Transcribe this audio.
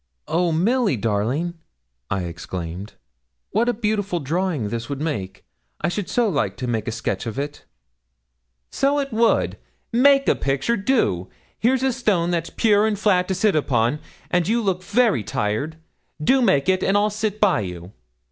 'Oh, Milly darling!' I exclaimed, 'what a beautiful drawing this would make! I should so like to make a sketch of it.' 'So it would. Make a picture do! here's a stone that's pure and flat to sit upon, and you look very tired. Do make it, and I'll sit by you.'